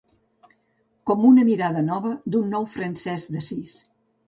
Com una mirada nova d'un nou Francesc d'Assís.